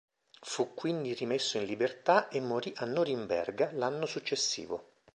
Fu quindi rimesso in libertà e morì a Norimberga l'anno successivo.